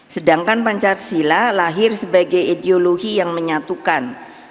sedangkan pancasila lahir sebagai ideologi yang menyatukan